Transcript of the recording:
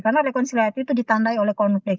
karena rekonsiliasi itu ditandai oleh konflik